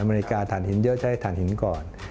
เมริกาฐานหินเยอะใช้ฐานหินก่อน